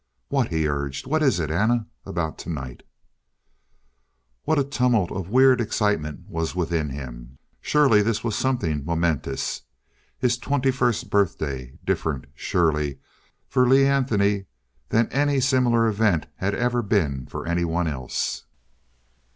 "What?" he urged. "What is it, Anna? About tonight " What a tumult of weird excitement was within him! Surely this was something momentous. His twenty first birthday. Different, surely, for Lee Anthony than any similar event had ever been for anyone else.